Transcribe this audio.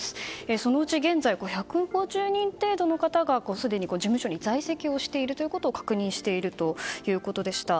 そのうち現在１５０人程度の方がすでに事務所に在籍をしていることを確認しているということでした。